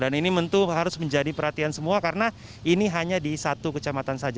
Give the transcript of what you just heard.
dan ini harus menjadi perhatian semua karena ini hanya di satu kecamatan saja